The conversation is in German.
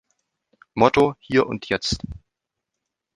Motto "Hier und Jetzt".